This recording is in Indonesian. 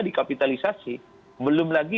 dikapitalisasi belum lagi